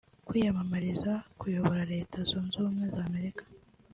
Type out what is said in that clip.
Kwiyamamariza kuyobora Leta Zunze Ubumwe za Amerika